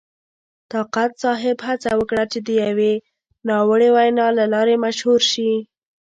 طاقت صاحب هڅه وکړه چې د یوې ناوړې وینا له لارې مشهور شي.